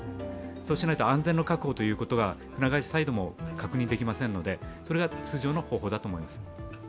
そうしないと安全の確保ということが、船会社サイドも確認できませんのでそれが通常の方法だと思います。